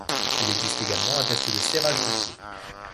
Il existe également un test de serrage du pied.